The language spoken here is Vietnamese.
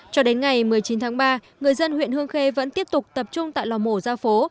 cho đến ngày một mươi chín tháng ba người dân huyện hương khê vẫn tiếp tục tập trung tại lò mổ gia phố